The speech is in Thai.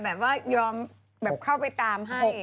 แบบว่ายอมแบบเข้าไปตามให้